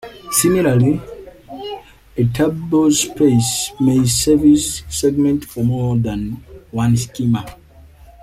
Similarly, a tablespace may service segments for more than one schema.